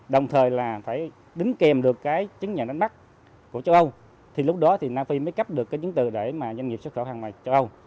đồng thời là phải đính kèm được cái chứng nhận đánh bắt của châu âu thì lúc đó thì nam phi mới cấp được cái chứng từ để mà doanh nghiệp xuất khẩu hàng ngoài châu âu